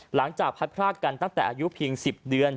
หลังจากพัดพรากกันตั้งแต่อายุเพียง๑๐เดือน